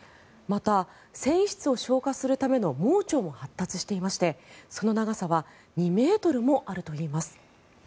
また、繊維質を消化するための盲腸も発達していまして、その長さは２ｍもあるといいます。